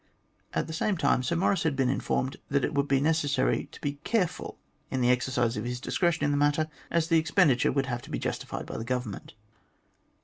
At the same time, Sir Maurice had been informed that it would be necessary to be careful in the exercise of his dis cretion in the matter, as the expenditure would have to be justified by the Government.